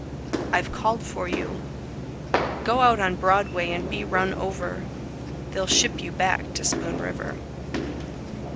I've called for you, Go out on Broadway and be run over, They'll ship you back to Spoon River.